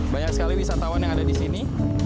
banyak sekali wisatawan yang ada di sini